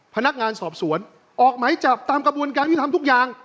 พนักงานสอบสวนออกไหมจับตามกระบวนการที่ทำทุกอย่าง